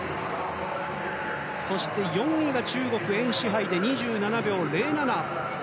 そして、４位が中国エン・シハイで２７秒０７。